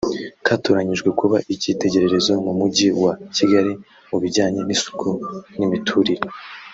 katoranyijwe kuba icyitegererezo mu Mujyi wa Kigali mu bijyanye n’isuku n’imiturire